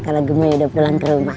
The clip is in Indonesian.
kalau gemoy udah pulang ke rumah